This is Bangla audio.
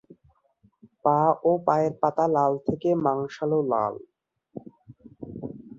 পা ও পায়ের পাতা লাল থেকে মাংসল লাল।